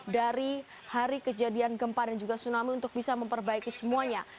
dari hari kejadian gempa dan juga tsunami untuk bisa memperbaiki semuanya